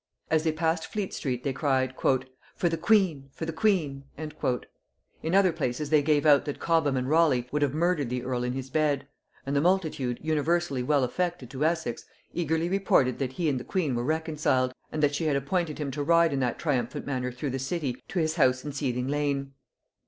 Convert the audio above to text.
As they passed Fleet street, they cried, "For the queen, for the queen!" in other places they gave out that Cobham and Raleigh would have murdered the earl in his bed; and the multitude, universally well affected to Essex, eagerly reported that he and the queen were reconciled, and that she had appointed him to ride in that triumphant manner through the city to his house in Seething lane.